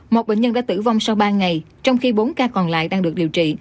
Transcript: một bệnh nhân đã tử vong sau ba ngày trong khi bốn ca còn lại đang được điều trị